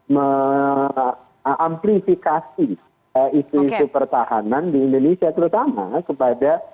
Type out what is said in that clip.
mengamplifikasi isu isu pertahanan di indonesia terutama kepada